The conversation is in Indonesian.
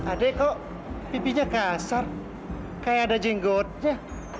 ade kok pipinya kasar kayak ada jenggotnya